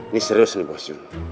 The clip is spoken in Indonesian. nih serius nih bos jun